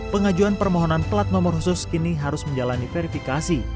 pengajuan permohonan plat nomor khusus kini harus menjalani verifikasi